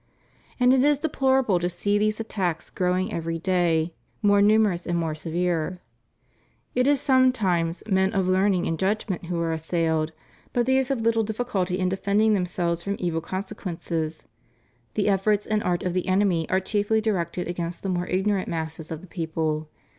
And it is deplorable to see these attacks growing every day more numerous and more severe. It is sometimes men of learning and judgment who are assailed; but these have little difficulty in defending themselves from evil consequences. The efforts and arts of the enemy are chiefly directed against the more ignorant masses of the people.